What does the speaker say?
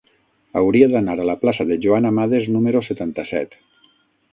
Hauria d'anar a la plaça de Joan Amades número setanta-set.